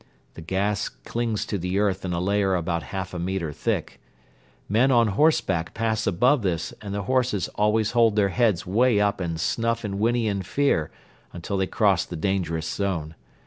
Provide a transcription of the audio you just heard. The gas clings to the earth in a layer about half a metre thick. Men on horseback pass above this and the horses always hold their heads way up and snuff and whinny in fear until they cross the dangerous zone.